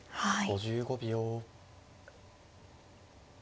５５秒。